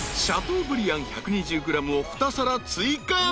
［シャトーブリアン１２０ｇを２皿追加］